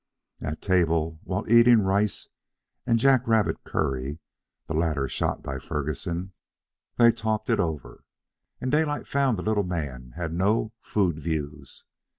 At table, while eating rice and jack rabbit curry (the latter shot by Ferguson), they talked it over, and Daylight found the little man had no food "views."